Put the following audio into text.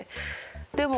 でも